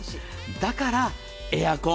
だからエアコン。